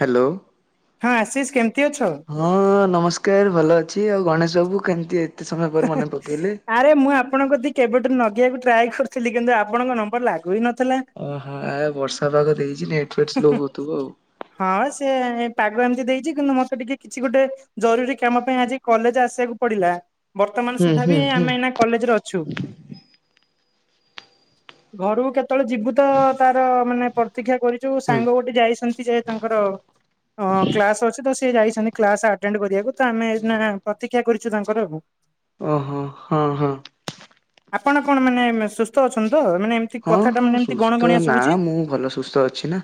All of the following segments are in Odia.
ହ୍ୟାଲୋ। ହଁ ଆଶିଷ କେମିତି ଅଛ? ହଁ ନମସ୍କାର ଭଲ ଅଛି ଆଉ ଗଣେଶ ବାବୁ କେମିତି ଅ ହ ଆରେ ମୁଁ ଆପଣଙ୍କ କତି କେବେଠୁ ନଗେଇବାକୁ ଟ୍ରାଏ କରିୁଥିଲି କିନ୍ତୁ ଆପଣଙ୍କ ନମ୍ବର ଲାଗୁ ହି ନଥିଲା। ଓହୋ ଆ ବର୍ଷା ପାଗ ଦେଇଛି ନେଟ୍ ଫେଟ୍ ସ୍ଲୋ ହଉଥିବ ଆଉ। ହଁ ସେ ପାଗ ଏମିତି ଦେଇଛି କିନ୍ତୁ ମତେ ଟିକେ କିଛି ଗୋଟେ ଜରୁରୀ କାମ ପାଇଁ ଆଜି କଲେଜ ଆସିବାକୁ ପଡ଼ିଲା। ବର୍ତ୍ତମାନ ହୁଁ ସୁଦ୍ଧା ହୁଁ ବି ହୁଁ ଆମେ ଏଇନା କଲେଜ ରେ ଅଛୁ। ଘରକୁ କେତେବେଳେ ଯିବୁ ତ ତାର ମାନେ ପ୍ରତୀକ୍ଷା କରିଛୁ ହୁଁ ସାଙ୍ଗ ଗୋଟେ ଯାଇଛନ୍ତି ଯେ ତାଙ୍କର ଅ କ୍ଲାସ୍ ଅଛି ତ ସିଏ ଯାଇଛନ୍ତି କ୍ଲାସ୍ ଆଟେଣ୍ଡ କରିବାକୁ ତ ଆମେ ଏଇନା ପ୍ରତିୀକ୍ଷା କରିଛୁ ତାଙ୍କର ଆଉ। ଓହୋ ହଁ ହଁ। ଆପଣ କଣ ମାନେ ସୁସ୍ଥ ଅଛନ୍ତି ତ? ମାନେ ହଁ କଥାଟା ହଁ ମାନେ ଏମିତି ଗଣ ସୁସ୍ଥ ଗଣିଆ ନା ଶୁଭୁଛି? ମୁଁ ଭଲ ସୁସ୍ଥ ଅଛି ନା।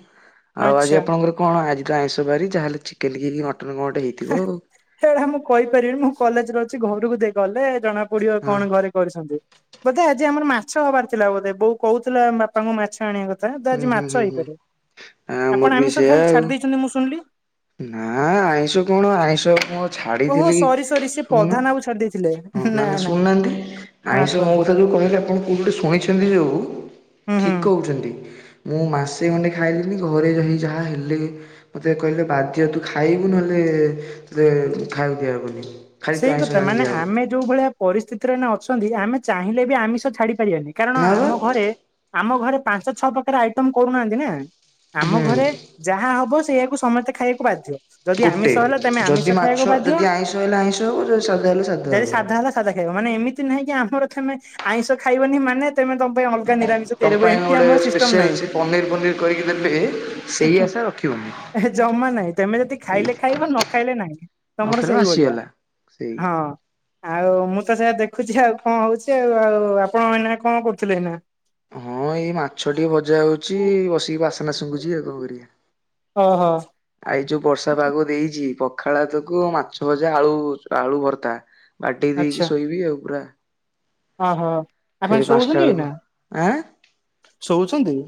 ଆଉ ଆଜି ଆଚ୍ଛା। ଆପଣଙ୍କର କଣ ଆଜି ତ ଆଇଁଷ ବାରି ଯାହେଲେ ଚିକେନ୍ ଟିକେ କି ମଟନ କଣ ଗୋଟେ ହେଇଥିବ ଆଉ। ସେଇଟା ମୁଁ କହିପାରିବିନି ମୁଁ କଲେଜରେ ଅଛି ଘରକୁ ଦେଇ ଗଲେ ଜଣା ପଡ଼ିବ ହଁ କଣ ଘରେ କରିଛନ୍ତି ବୋଧେ ଆଜି ଆମର ମାଛ ହବାର ଥିଲା ବୋଧେ ବୋଉ କହୁଥିଲା ବାପାଙ୍କୁ ମାଛ ଆଣିବା କ ଥା ତ ହୁଁ ଆଜି ହୁଁ ମାଛ ହୁଁ ହୁଁ ହେଇପାରିବ ଆମର ଆପଣ ବି ଆମିଷ ସେଇୟା ଖାଇ ଆଉ। ଛାଡ଼ି ଦେଇଛନ୍ତି ମୁଁ ଶୁଣିଲି। ନା ଆଇଁଷ କଣ ଆଇଁଷ କ ଓହୋ ସରି ସରି ସେ ପ୍ରଧାନ ବାବୁ ଛାଡ଼ି ଦେଇଥିଲେ। ହଁ ନା ନା ଶୁଣୁନାହାନ୍ତି ହଁ ଆଇଁଷ ମୋ କୁହନ୍ତୁ କଥା ଯୋଉ କହିଲି ଆପଣ କୋଉ ଗୋଟେ ଶୁଣିଛନ୍ତି ଜୋଉ ହୁଁ ହୁଁ। ଛନ୍ତି ମୁଁ ମାସେ ଖଣ୍ଡେ ଖାଇଲିିନି ଘରେ ଯଇଁ ଯାହା ହେଲେ। ମତେ କହିଲେ ବାଧ୍ୟ ତୁ ଖାଇବୁ ନହେଲେ ତତେ ଖାଇୟାକୁ ଦିଆହବନି। ଖାଲି ତୁ ସେଇ ଆଇଁଷ କଥା ଆଣିକି ମାନେ ଦିଆହବ ଆମେ ଯୋଉ ଭଳିଆ ପରିସ୍ଥିତିରେ ଏଇନା ଅଛନ୍ତି ଆମେ ଚାହିଁଲେ ବି ଆମିଷ ଛାଡ଼ି ପାରିବାନି କାରଣ ନା ବା ଆମ ଘରେ ଆମ ଘରେ ପାଞ୍ଚ ଛଅ ପ୍ରକାର ର ଆଇଟମ୍ କରୁନାହାନ୍ତି ନା ଆମ ହୁଁ ଘରେ ଯାହା ହବ ସେଇଆକୁ ସମସ୍ତେ ଖାଇବାକୁ ବାଧ୍ୟ ଯଦି ଆମିଷ ହେଲେ ତମେ ଆମିଷ ଖାଇବାକୁ ବାଧ୍ୟ। ନହେଲେ ଆଇଁଷ ମତେ ସାଧା ହେଲେ ଯଦି ସାଧା ସାଧା ଖାଇବ ମାନେ ଏମିତି ନାହିଁ କି ଆମର ତମେ ଆଇଁଷ ଖାଇବନି ମାନେ ତମେ ତମ ପାଇଁ ଅଲ ତମ ପାଇଁ ଗୋଟେ ସ୍ପେସିଆଲ୍ ପନିର ପନିର କରିକି ଦେବେ ସେଇ ଆସା ରଖିବୁନି। ଏ ଜମା ନାହିଁ ତେମେ ଯଦି ଖାଇଲେ ଖାଇବ ନ ଖାଇଲେ ନାହିଁ ନ ତମର ଖାଇଲେ ସେଇଭଳିଆ। ଆସିଗଲା ସେଇ ହଁ। ଆଉ ମୁଁ ତ ସେଇୟା ଦେଖୁଛି ଆଉ କଣ ହଉଛି ଆଉ ଆଉ ଆପଣ ଏଇନା କଣ କରୁଥିଲେ ଏଇନା? ହଁ ଏଇ ମାଛ ଟିକେ ଭଜା ହଉଛି ବସିକି ବାସ୍ନା ଶୁଙ୍ଘୁଛି ଆଉ କଣ କରିଆ। ଓ ହୋ। ଆ ଏ ଯୋଉ ବର୍ଷା ପାଗ ଦେଇଛି ପଖାଳ ଭାତକୁ ମାଛ ଭଜା ଆଳୁ ଆଳୁ ଭର୍ତା। ବଡ୍ଦେଇ ଆଚ୍ଛା ଦେଇକି ସୋଇବି ଆଉ ପୁରା। ଓହୋ ଆପଣ ଫେରେ ପାଞ୍ଚଟା ଶୋଉଛନ୍ତି ବେଳକୁ ଏଇନା ଶୋଉଛନ୍ତି?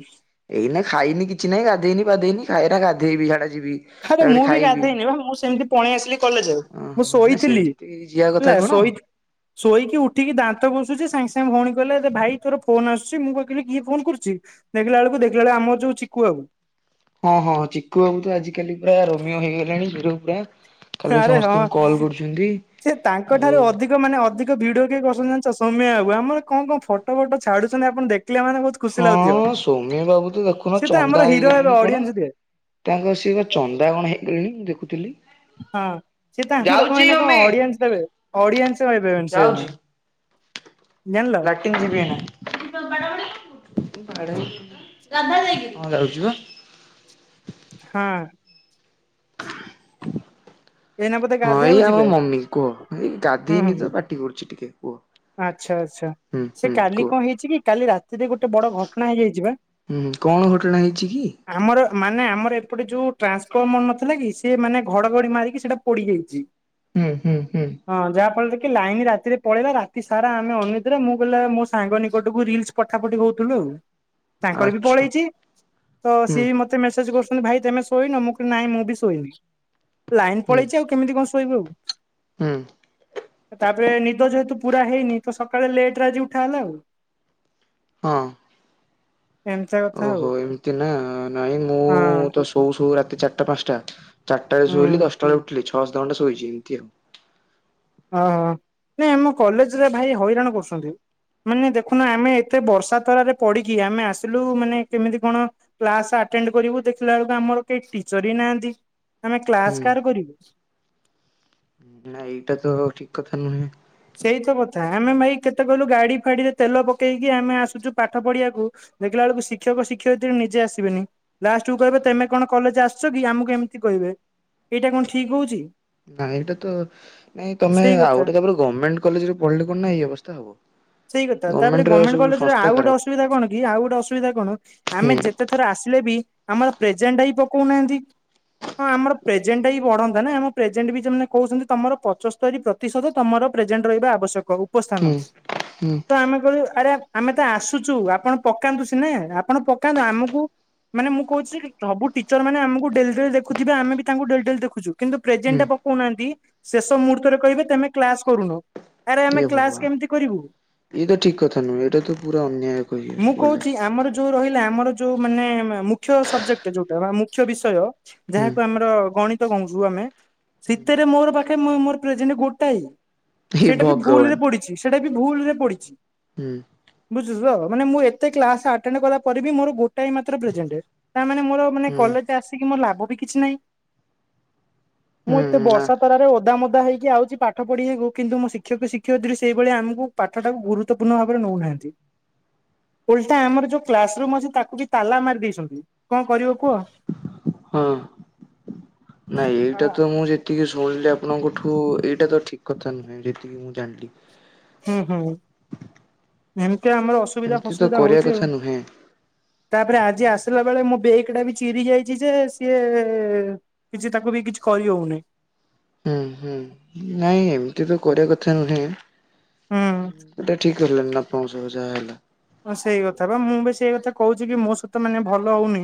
ଏଇ ନା ଖାଇନି କିଛି ନାଇଁ ଗାଧେଇନି ପାଧେଇନି ଖାଏରା ଗାଧେଇବି ଝାଡ଼ା ଯିବି। ଆରେ ତାପରେ ମୁଁ ବି ଖାଇବି। ଗାଧେଇନି ବା ମୁଁ ସେମିତି ପଣେଇ ଆସିଲି କଲେଜେ ମୁଁ ଶୋଇଥିଲି। ଯିିବା କଥା ହେଲା କଣ? ଶୋଇ ଶୋଇକି ଉଠିକି ଦାନ୍ତ ଘଷୁଛି ସାଙ୍ଗେ ସାଙ୍ଗେ ଭଉଣୀ କହିଲା ଏ ଭାଇ ତୋର ଫୋନ ଆସୁଛି ମୁଁ ପା କହିଲି କିଏ ଫୋନ କରୁଛି? ଦେଖିଲା ବେଳକୁ ଦେଖୀଲା ବେଳୁ ଆମ ଯୋଉ ଚିକୁ ବାବୁ। ହଁ ହଁ ଚିକୁୁ ବାବୁ ତ ଆଜିିକାଲି ପୁରା ରୋମୀଓ ହେଇଗଲାଣି ହିରୋ ପୁରା। କାଲି ଆରେ ହଁ ସମସ୍ତଙ୍କୁ କଲ୍ କରୁଛନ୍ତି ସେ ଆଉ ତାଙ୍କଠାରୁ ଅଧି କ ମାନେ ଅଧିକ ଭିଡ଼ିଓ କିଏ କରୁଛନ୍ତି ଜାଣିଛ ସୌମ୍ୟ ବାବୁ ଆମର କଣ କଣ ଫଟ ଫଟ ଛାଡ଼ୁଛନ୍ତି ଆପଣ ଦେଖିଲେ ମାନ ବହୁତ୍ ହଁ ସୌମ୍ୟ ବାବୁ ତ ଦେଖୁନ ସେ ତ ଆମର ଚନ୍ଦା ହିରୋ ହେବେ ହେଇଗଲିଣି କଣ? ଅଡିଏନ୍ସ ଦେବେ ତାଙ୍କର ସେ କ ଚନ୍ଦା କଣ ହେଇଗଲେଣି ଦେଖୁଥିଲି। ହଁ ସିଏ ତ ଆମର କଣ ଯାଉଛି ଏଇନା ଅମି କଣ ଅଡ଼ିଏନ୍ସ ଦେବେ। ଅଡ଼ିଏନ୍ସ ହେଇପାରିବନି ସିଏ ଏଇନା ଯାଉଛି ଜାଣିଲ। [unintelligible] ହଁ। ଏଇନା ବୋଧେ ହଁ ଗାଧେଇବାକୁ ଏଇ ଆମ ଯିବେ ମମି କୁହ ଏଇ ହୁଁ ଗାଧେଇନି ହୁଁ ତ ପାଟି କରୁଛି ଟିକେ କୁହ। ଆଚ୍ଛା ଆଚ୍ଛା ହୁଁ ସେ ହୁଁ କାଲି କୁହ କଣ ହେଇଛି କି କାଲି ରାତିରେ ଗୋଟେ ବଡ ଘଟଣା ହେଇଯାଇଛି ବା। ହୁଁ କଣ ଘଟଣା ହେଇଛି କି? ଆମର ମାନେ ଆମର ଏପଟେ ଯୋଉ ଟ୍ରାନ୍ସଫର୍ମର ନଥିଲା କି ସେ ମାନେ ଘଡ଼ଘଡ଼ି ମାରିକି ସେଟା ପୋଡ଼ିଯାଇଛି। ହୁଁ ହୁଁ। ହୁଁ ହଁ ଯାହା ଫଳରେ କି ଲାଇନ୍ ରାତିରେ ପଳେଇଲା ରା ରାତି ସାର ଆମେ ଅନିିତ୍ରା ମୁଁ କହିଲା ମୋ ସାଙ୍ଗ ନିକଟକୁ ରିଲସ ପଠା ପଠି ହଉଥିଲୁ ଆଉ। ତାଙ୍କର ବି ଆଚ୍ଛା ପଳେଇଛି ତ ହୁଁ ସିଏ ବି ମ ତେ ମେସେଜ କରୁଛନ୍ତି ଭାଇ ତମେ ଶୋଇନ ମୁଁ କହିଲି ନାଇଁ ମୁଁ ବି ଶୋଇନି ଲାଇନ ହୁଁ ପଳେଇଛି କେମିତି କଣ ଶୋଇବୁ ଆଉ। ହୁଁ। ତାପରେ ନିିଦ ଯେହେତୁ ପୁରା ହେଇନି ତ ସକାଳେ ଲେଟ୍ ରେ ଆଜି ଉଠା ହେଲା ଆଉ। ହଁ। ଏମିତିଆ କଥା ଆଉ ଓହୋ ଏମିତି ନା ନାଇଁ ମୁଁ ହଁ ତ ଶୋଉ ଶୋଉ ରାତି ଚାରଟା ପାଞ୍ଚଟା। ଚାରଟାରେ ଶୋଇଲି ହୁଁ। ଦଶଟାରେ ଉଠିଲି ଛଅ ସାତ ଘଣ୍ଟା ଶୋଇଛି ଏମତି ଆଉ। ଅହ ନାଇଁ ଆମ କଲେଜରେ ଭାଇ ହଇରାଣ କରୁଛନ୍ତି। ମାନେ ଦେଖୁନ ଆମେ ଏତେ ବର୍ଷା ତରାରେ ପଡିକି ଆମେ ଆସିଲୁ ମାନେ କେମିତି କଣ କ୍ଲାସ ଆଟେଣ୍ଡ କରିବୁ ଦେଖିଲା ବେଳକୁ ଆମର କେହି ଟିଚର ହିଁ ନାହାନ୍ତି ଆମେ କ୍ଲାସ ହୁଁ। କାହାର କରିବୁ। ନାଁ ଏଇଟା ତ ଠିକ କଥା ନୁହେଁ। ସେଇ ତ କଥା ଆମେ ଭାଇ କେତେ କହିଲୁ ଗାଡି ଫାଡିରେ ତେଲ ପକେଇକି ଆମେ ଆସୁଛୁ ପାଠ ପଢିବାକୁ। ଦେଖିଲା ବେଳକୁ ଶିକ୍ଷକ ଶିକ୍ଷୟିତ୍ରୀ ନିଜେ ଆସିବେନି। ଲାଷ୍ଟ କୁ କହିବେ ତେମେ କଣ କଲେଜ ଆସୁଛ କି ଆମକୁ ଏମିତି କହିବେ ଏଇଟା କଣ ଠିକ ହଉଛି। ନାଇଁ ଏଇଟା ତ ନାଇଁ ତମେ ସେଇ ଆଉ କଥା। ଗୋଟେ ତାପରେ ଗମେଣ୍ଟ କଲେଜରେ ପଢିଲେ କଣ ନା ଏଇ ଅବସ୍ଥା ହବ। ସେଇ କଥା ତାପରେ ଗଭର୍ଣ୍ଣମେଣ୍ଟ ର ଗମେଣ୍ଟ ସବୁ କଲେଜ ରେ ସଂସ୍ଥା ଆଉ ଗୋଟେ ଖରାପ। ଅସୁବିଧା କଣ କି ଆଉ ଗୋଟେ ଅସୁବିଧା କଣ ହୁଁ ଆମେ ଯେତେ ଥର ଆସିଲେ ବି ଆମର ପ୍ରେଜେଣ୍ଟଟା ବି ପକଉନାହାନ୍ତି। ହଁ ଆମର ପ୍ରେଜେଣ୍ଟ ଟା ବି ବଢନ୍ତା ନା ଆମ ପ୍ରେଜେଣ୍ଟ ବି ଯୋଉମାନେ କହୁଛନ୍ତି ତମର ପଞ୍ଚସ୍ତରୀ ପ୍ର ତିଶତ ତମର ପ୍ରେଜେଣ୍ଟ ରହିବା ଆବଶ୍ୟକ ହୁଁ ଉପସ୍ଥାନ। ହୁଁ। ତ ଆମେ କହିଲୁ ଆରେ ଆମେ ତ ଆସୁଛୁ ଆପଣ ପକାନ୍ତୁ ସିନା ଆପଣ ପକାନ୍ତୁ ଆମୁକୁ ମାନେ ମୁଁ କହୁଛି କି ସବୁ ଟିଚର ମାନେ ଆମୁକୁ ଡେଲ୍ ଡେଲ୍ ଦେଖୁଥିବେ ଆମେ ବି ତାଙ୍କୁ ଡେଲ ଡେଲ ଦେଖୁଛୁ। କିନ୍ତୁ ପ୍ରେଜେଣ୍ଟ ହୁଁ ଟା ପକଉନାହାନ୍ତି ଶେଷ ମୁହୂର୍ତ୍ତରେ କହିବେ ତେମେ କ୍ଲାସ କରୁନ। ଆରେ ଆମେ କ୍ଲାସ କେମିତି କରିବୁ ଇଏଟା ଠିକ୍ କଥା ନୁହେଁ ଏଇଟା ତ ପୁରା ଅନ୍ୟାୟ ମୁଁ କହିଲେ ଗଲେ। କହୁଛି ଆମର ଯୋଉ ରହିଲା ଆମର ଯୋଉ ମାନେ ମୁଖ୍ୟ ସବଜେକ୍ଟ ଯୋଉଟା ବା ମୁଖ୍ୟ ବିଷୟ ହୁଁ ଯାହାକୁ ଆମର ଗଣିତ କହୁଛୁ ଆମେ ସିତେରେ ମୋର ବା ଖେ ମୋ-ମୋର ପ୍ରେଜେଣ୍ଟ ଗୋଟାଏ ହେ ସେଇଟା ବି ଭୁଲ ଭଗବାନ ରେ ପଡିଛି ସେଟା ବି ଭୁଲରେ ପଡିଛି। ହୁଁ। ବୁଝୁଚୁ ତ ମାନେ ମୁଁ ଏତେ କ୍ଲାସ ଆଟେଣ୍ଡ କଲା ପରେ ବି ମୋର ଗୋଟାଏ ମାତ୍ର ପ୍ରେଜେଣ୍ଟ ତା ମାନେ ମୋର ମାନେ ହୁଁ କଲେଜ ଆସିକି ମୋର ଲାଭ ବି କିଛି ନାହିଁ। ମୁଁ ହୁଁ ଏତେ ନା ବର୍ଷା ତରାରେ ଓଦା ମୋଦା ହେଇକି ଆଉଛି ପା ଠ ପଢିବାକୁ କିନ୍ତୁ ମୋ ଶିକ୍ଷକ ଶିକ୍ଷୟିତ୍ରୀ ସେଇଭଳି ଆମୁକୁ ପାଠଟାକୁ ଗୁରୁତ୍ୱପୂର୍ଣ୍ଣ ଭାବରେ ନଉନାହାନ୍ତି। ଓଲଟା ଆମର ଯୋଉ କ୍ଲାସ ରୁମ୍ ଅଛି ତାକୁ ବି ତାଲା ମାରି ଦେଇଛନ୍ତି କଣ କରିବ କୁହ। ହଁ। ନାଇଁ ଆ ଏଇଟା ତ ମୁଁ ଯେ ତିକି ଶୁଣିଲି ଆପଣଙ୍କଠୁ ଏଇଟା ତ ଠିକ କଥା ନୁହେଁ ଯେତିକି ମୁଁ ଜାଣିଲି। ହୁଁ ହୁଁ ଏମିତି ଆମର ଅସୁବିଧା ଏମିତି ତ ଫସୁବିଧା କରିବା ହଉଛି କଥା ଆଉ। ନୁହେଁ ତାପରେ ଆଜି ଆସିଲା ବେଳେ ମୋ ବେଗ ଟା ବି ଚିରିଯାଇଛି ଯେ ସିଏ କିଛି ତାକୁ ବି କିଛି କରିହଉନି। ହୁଁ ହୁଁ ନାଇଁ ଏମିତି ତ କରିବା କଥା ନୁହେଁ ହୁଁ ସେଟା ଠିକ୍ ହେଲାନି ନା ଆପଣଙ୍କ ସହିତ ଯାହା ହେଲା। ହ ସେଇ କଥା ବା ମୁଁ ବି ସେଇ କଥା କହୁଛି କି ମୋ ସହିତ ମାନେ ଭଲ ହଉନି।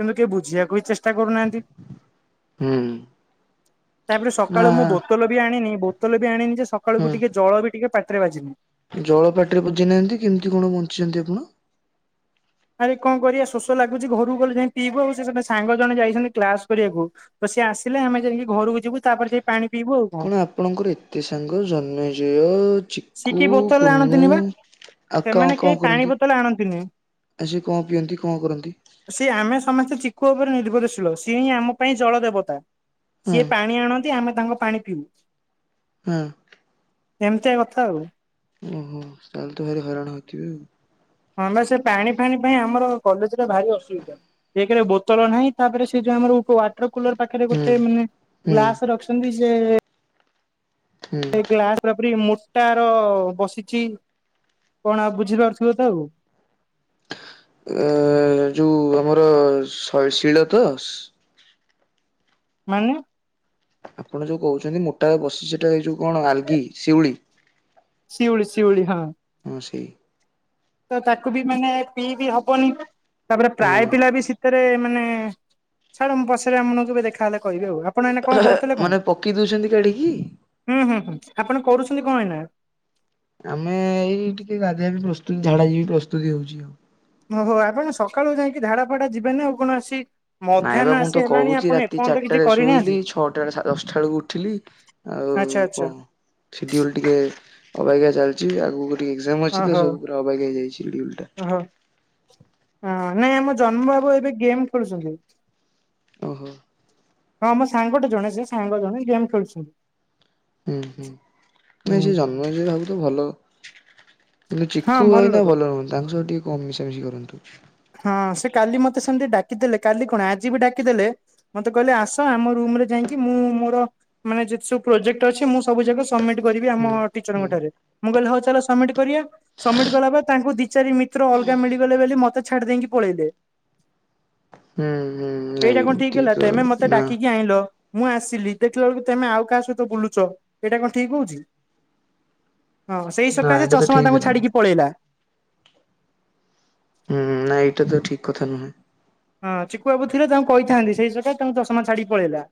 କିନ୍ତୁ କେହି ବୁଝିବାକୁ ହିଁ ଚେଷ୍ଟା କରୁନାହାନ୍ତି। ହୁଁ। ତାପରେ ନା ସକାଳୁ ମୁଁ ବୋତଲ ବି ଆଣିନି ବୋତଲ ବି ଆଣିନି ଯେ ସ ସକାଳୁ ହୁଁ କୁ ଟିକେ ଜଳ ବି ଟିକେ ପାଟିରେ ବାଜିନି। ଜଳ ପାଟିରେ ବଜେଇନାହାନ୍ତି। କେମିତି କଣ ବଞ୍ଚିଛନ୍ତି ଆପଣ। ଆରେ କଣ କରିବା ଶୋଷ ଲାଗୁଛି। ଘରୁକୁ ଗଲେ ଯାଇ ପିଇବୁ ଆଉ ସେ ସାଙ୍ଗ ଜଣେ ଯାଇଛନ୍ତି କ୍ଲାସ କରିବାକୁ ତ ସିଏ ଆସିଲେ ଆମେ ଯାଇକି ଘରକୁ ଯିବୁ। ତାପରେ ଯାଇ ପାଣି ପିଇବୁ ଆଉ କଣ। ଆପଣଙ୍କର ଏତେ ସାଙ୍ଗ ଜନ୍ମେଜୟ ଚି ସିଏ କେହି କୁ- ବୋତଲରେ କୁନୁ ଆଣନ୍ତିନି ବା। ଆଉ ସେମାନେ କଣ କେହି ପାଣି କରନ୍ତି? ବୋତଲ ଆଣନ୍ତିନି। ଆଚ୍ଛା! କଣ ପିଅନ୍ତି କଣ କରନ୍ତି? ସିଏ ଆମେ ସମସ୍ତେ ଚିକୁ ଉପରେ ନିର୍ଭଳଶୀଳ, ସିଏ ହିଁ ଆମ ପାଇଁ ଜଳ ଦେବତା। ହଁ ସିଏ ପାଣି ଆଣନ୍ତି। ଆମେ ତାଙ୍କ ପାଣି ପିଉ। ହୁଁ ଏମିତିଆ କଥା ଆଉ। ଓହୋ! ତାହେଲେ ତ ଭାରି ହଇରାଣ ହେଇଥିବେ ଆଉ ହଁ, ବା ସେ ପାଣି ଫାଣି ପାଇଁ ଆମର କଲେଜରେ ଭାରି ଅସୁବିଧା। ଏକେ ରେ ବୋତଲ ନାହିଁ ତାପରେ ସେ ଯୋଉ ଆମର ଉପ ଉପରକୁଲର ପାଖରେ ହୁଁ ଗୋଟେ ମାନେ ହୁଁ ହୁଁ ଗ୍ଲାସ ରଖିଛନ୍ତି। ଯେ ସେ ଗ୍ଲାସ ପୂରାପୂରି ମୋଟାର ବସିଛି। କଣ ଆଉ ବୁଝିପାରୁଥିବ ତ ଆଉ। ଉଁ ଯୋଉ ଆମର ଶୈଶିଳ ତ ମାନେ। ଆପଣ ଯୋଉ କହୁଛନ୍ତି ମୋଟା ବସିଛି ସେଟା ଏଇ ଯୋଉ କଣ ଆନ୍ଧି ଶିଉଳି ଶିଉଳି -ଶିଉଳି ହଁ। ହଁ ସେଇ ତ ତାକୁ ବି ମାନେ ପିଇ ବିି ହବନି ତାପରେ ହଁ ପ୍ରାୟ ପିଲା ବି ସିଉ ଭିତରେ ମାନେ ଛାଡ଼ ମୁଁ ପଛରେ ଆପଣକୁ କେବେ ଦେଖାହେଲେ କହିବି ଆଉ। ଆପଣ ଏଇନା କଣ କରୁଥିଲେ କଣ? ମାନେ ପକେଇ ଦଉଛନ୍ତି କାଢିକି ହୁଁ -ହୁଁ -ହୁଁ ଆପଣ କରୁଛନ୍ତି କଣ ଏନା? ଆମେ ଏଇ ଟିକେ ଗାଧୁଆବି ପ୍ରସ୍ତୁତି ଝାଡା ଯିବା ବି ପ୍ରସ୍ତୁତି ହଉଛି। ଓହୋ! ଆପଣ ସକାଳୁ ଯାଇକି ଝାଡ଼ା ଫାଡା ଯିବେ ନା ଆଉ କଣ ଆସି ନାଇଁ ମଧ୍ୟାହ୍ନ ବା ମୁଁ ଆସି ତ ହେଲାଣି କହୁଛି ଆପଣ ରାତି ଏପର୍ଯ୍ୟନ୍ତ ଚାରିଟା କିଛି ରେ ଶୋଇଲି କରିନାହାନ୍ତି ଛଅଟା ଦଶଟା ବେଳକୁ ଉଠିଲି। ଆଉ ଆଚ୍ଛା ଆଚ୍ଛା କଣ ସିଡିଏଲ ଟିକେ ଅବାଗ୍ୟ ଚାଲିଛି ଆଗକୁ ଟିକେ ଏକଜାମ ଅଛି ତ ଓହୋ ସବୁ ପୁରା ଅବାଗ୍ୟ ହେଇଯାଇଛି ରୁଲ ଟା ଓହୋ। ହଁ, ନାଇଁ ଆମ ଜନ୍ମ ବାବୁ ଏବେ ଗେମ୍ ଖେଳୁଛନ୍ତି। ଓହୋ! ହଁ ମୋ ସାଙ୍ଗଟେ ଜଣେ ସେ ସାଙ୍ଗ ଜଣେ ଗେମ୍ ଖେଳୁଛନ୍ତି। ହୁଁ -ହୁଁ ନାଇଁ ହୁଁ ସେ ଜନ୍ମ ହେଲେ ଭାବୁ ତ ଭଲ କିନ୍ତୁ ହଁ ଚିକୁୁ ଭଏନା ଲୋକ ଭଲ ରୁହନ୍ତି ତାଙ୍କ ସହ ଟିକେ କମ୍ ମିଶାମିଶି କରନ୍ତୁ। ହଁ ସେ କାଲି ମତେ ସେମିତି ଡାକିଦେଲେ କାଲି କଣ ଆଜି ବି ଡାକିଦେଲେ ମତେ କହିଲେ ଆସ ଆମ ରୁମ ରେ ଯାଇକି ମୁଁ ମୋର ମାନେ ଯେତେ ସବୁ ପ୍ରୋଜେକ୍ଟ ଅଛି। ମୁଁ ସବୁ ଯାକ ସବମିଟ କରିବି ଆମ ହୁଁ। ହୁଁ ଟିଚର ହୁଁ ଠାରେ ମୁଁ କହିଲି ହଉ ଚାଲ ସବମିଟ କରିବା ସବମିଟ କଲା ପରେ ତାଙ୍କୁ ଦି ଚାରି ମିତ୍ର ଅଲଗା ମିଳିଗଲେ ବୋଲି ମତେ ଛାଡି ଦେଇକି ପଳେଇଲେ। ହୁଁ ନାଇଁ ଏଇଟା କଣ ଠିକ ଏମିତି ହେଲା ତ ତେମେ ମତେ ନା ଡାକିକି ଆଣିଲ। ମୁଁ ଆସିଲି ଦେଖିଲା ବେଳକୁ ତେମେ ଆଉ କାହା ସହିତ ବୁଲୁଛ। ଏଇଟା କଣ ଠିକ ହଉଛି? ହଁ, ସେଇ ନା ସକାଶେ ଏଇଟା ତ ଚଷମା ଠିକ ତାଙ୍କୁ ହେଲାନି। ଛାଡିକି ପଳେଇଲା। ହୁଁ ନାଁଇ ଏଟା ତ ଠିକ କଥା ନୁହେଁ। ହଁ ଚିକୁୁ ବାବୁ ଥିଲେ ତାଙ୍କୁ କହିଥାନ୍ତି ସେଇ ସକା ତାଙ୍କୁ ଚଷାମା ଛାଡି ପଳେଇଲା।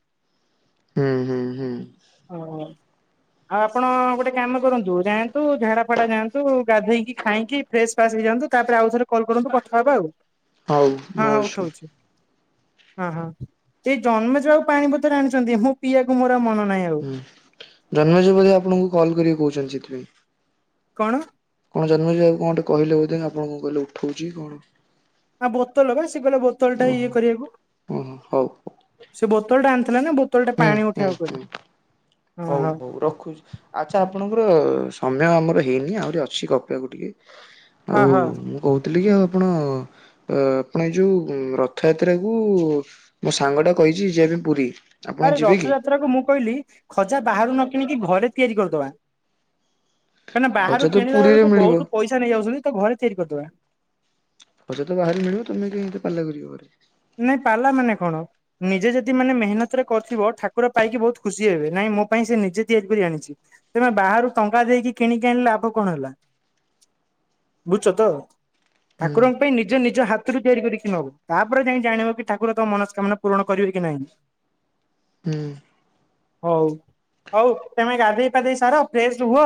ହୁଁ ହୁଁ ହୁଁ। ଓହୋ। ଆଉ ଆପଣ ଗୋଟେ କାମ କରନ୍ତୁ ଯାଆନ୍ତୁ ଝାଡା ଫଡା ଯାଆନ୍ତୁ ଗାଧେଇକି ଖାଇକି। ଫ୍ରେଶ ଫାସ୍ ହେଇଯାଆନ୍ତୁ ତାପରେ ଆଉ ଥରେ କଲ କରନ୍ତୁ କଥା ହବା ଆଉ।। ହଉ ହଁ ନୋ ଇସୁ। ଉଠଉଛି। ହଁ ହଁ ଏଇ ଜନ୍ମ ଯିବାକୁ ପାଣିପତର ଆଣିଛନ୍ତି ମୁଁ ପିଇବାକୁ ମୋର ମନ ନାହିଁ। ଆଉ ହୁଁ ଜନ୍ମଯିବ ବଧେ ଆପଣଙ୍କୁ କଲ୍ କରିକି କହୁଛନ୍ତି ସେଥିପାଇଁ। କଣ? କଣ ଜନ୍ମଜ ଆ କଣ ଗୋଟେ କହିଲ ବଧେ ଆପଣ କିହିଲେ ଉଠଉଛି କଣ? ଆ ବୋତଲ ବା ସେ କହିଲ ବୋତଲଟା ଇଏ ଓହୋ କରିବାକୁ ଓହୋ ହଉ। ସେ ବୋତଲ ଟା ଆଣିଥିଲା ନା। ବତୋଲ୍‌ ଟା ହୁଁ ପାଣି ହୁଁ ଉଠେଇବାକୁ ହୁଁ କହିଲ। ହଉ ହଉ ରଖୁଛି। ଆଚ୍ଛା ଆପଣଙ୍କର ସମୟ ଆମର ହେଇନି ଆହୁରି ଅଛି ଗପିବାକୁ ଟିକେ। ହଁ ହଁ। ଥିଲିକି ଆଉ ଆପଣ ଅ ଆପଣ ଯୋଉ ରଥଯାତ୍ରା କୁ ମୋ ସାଙ୍ଗ ଟା କହିଛି ଯିବା ପାଇଁ ପୁରୀ। ଆପଣ ଆରେ ଯିବେ କି? ରଥଯାତ୍ରା କୁ ମୁଁ କହିଲି ଖଜା ବାହାରୁ ନ କିଣିକି ଘରେ ତିଆରି କରିଦବା? କାହିଁକିନା ଖଜା ବାହାରୁ ତ କିଣିଲା ପୁରୀରେ ବେଳକୁ ମିଳିବ ବହୁତ ପଇସା ନେଇ ଯାଉଛନ୍ତି। ତ ଘରେ ତିଆରି କରିଦେବା? ଗଜା ତ ବାହାରେ ମିଳିବ ତମେ କାଇଁ ଏତେ ପାଲା କରିବ ଘରେ। ନାଇଁ ପାଲା ମାନେ କଣ? ନିଜେ ଯଦି ମାନେ ମେହନତରେ କରିଥିବ ଠାକୁର ପାଇକି ବହୁତ ଖୁସି ହେବେ ନାଇଁ ମୋ ପାଇଁ ସେ ନିଜେ ତିଆରି କରି ଆଣିଛି। ତମେ ବାହାରୁ ଟଙ୍କା ଦେଇକି କିଣିକି ଆଣିଲେ ଲାଭ କଣ ହେଲା? ବୁଝୁଛ ତ? ହୁଁ ଠାକୁରଙ୍କ ପାଇଁ ନିଜ ନିଜ ହାତରୁ ତିଆରି କରିକି ନବୁ ତା ତାପରେ ଯାଇ ଜାଣିବ କି ଠାକୁର ତ ମନସ୍କାମନା ପୂରଣ କରିବେ କି ନାହିଁ। ହୁଁ। ହଉ ହଉ ତେମେ ଗାଧେଇ ପାଧେଇ ସାର ଫ୍ରେଶ ରୁହ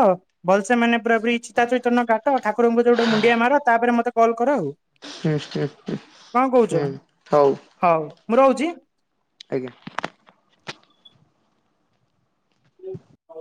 ଭଲସେ ମାନେ ପୂରାପୂରି ଚିତା ଚିତନ କାଟ ଠାକୁରଙ୍କୁ ଗୋଟେ ମୁଣ୍ଡିଆ ମାର ତାପରେ ମତେ କଲ କର ଆଉ। ହୁଁ କଣ କହୁଛ ହଉ। ହଉ ମୁଁ ରହୁଛି। ଆଜ୍ଞା। [inaudible]